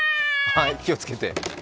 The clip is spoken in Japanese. はい、気をつけて。